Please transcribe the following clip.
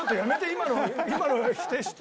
今の今の否定して。